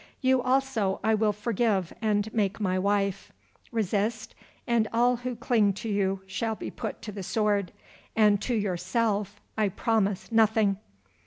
You also I will forgive and make my wife. Resist, and all who cling to you shall be put to the sword, and to yourself I promise nothing.